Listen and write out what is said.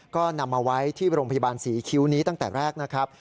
ก็นำมาไว้ที่โรงพยาบาลศรีคิ้วนี้ตั้งแต่แรกนะครับ